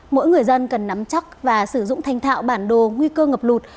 mỗi người dân cần nắm chắc và sử dụng thanh thạo bản đồ nguy cơ ngập lụt